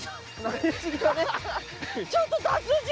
ちょっと達人。